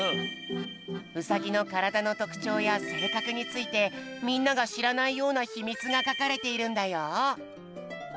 ウサギのからだのとくちょうやせいかくについてみんながしらないようなひみつがかかれているんだよ。